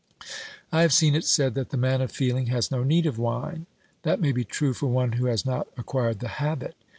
I have seen it said that the man of feeling has no need of wine. That may be true for one who has not acquired the habit.